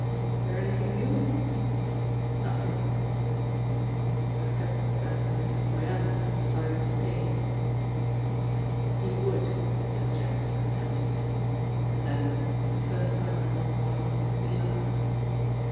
Is there anything new?" "Nothing," said Parr, "except that Mr. Froyant has decided to pay." "He would," said Jack contemptuously, and then, for the first time in a long while, he laughed.